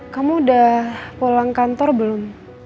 kamu udah pulang kantor belum